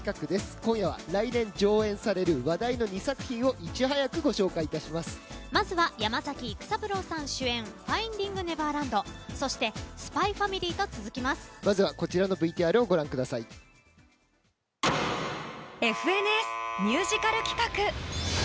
今夜は来年上演される話題の２作品をまずは山崎育三郎さん主演「ファインディング・ネバーランド」そして「ＳＰＹ×ＦＡＭＩＬＹ」とまずはこちらのＶＴＲを「ＦＮＳ」ミュージカル企画。